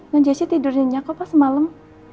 dan jasi tidur di nyokap pas semalam